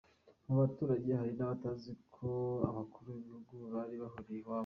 Mu baturage hari n’abatazi ko abakuru b’ibihugu bari buhurire iwabo.